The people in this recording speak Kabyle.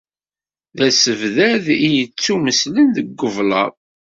D asebdad i yettumeslen deg ublaḍ.